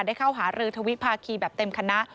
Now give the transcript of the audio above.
ได้เข้าหารือทวิภาคีแบบเต็มคณะ